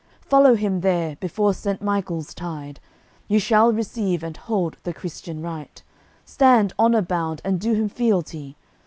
Follow him there before Saint Michael's tide, You shall receive and hold the Christian rite; Stand honour bound, and do him fealty.